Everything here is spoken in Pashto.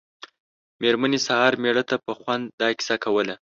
مېرمنې سهار مېړه ته په خوند دا کیسه کوله.